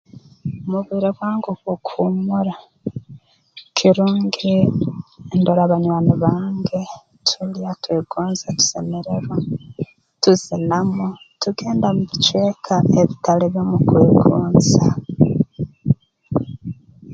Mu bwire bwange obw'okuhuumura kirungi ndora banywani bange tulya twegonza tusemererwa tuzinamu tugenda mu bicweka ebitali bimu kwegonza